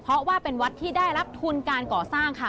เพราะว่าเป็นวัดที่ได้รับทุนการก่อสร้างค่ะ